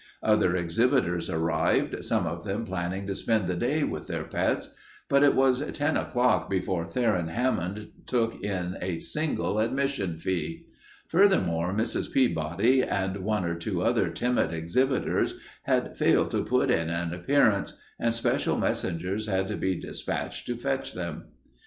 Other exhibitors arrived, some of them planning to spend the day with their pets, but it was ten o'clock before Theron Hammond took in a single admission fee. Furthermore, Mrs. Peabody and one or two other timid exhibitors had failed to put in an appearance, and special messengers had to be despatched to fetch them.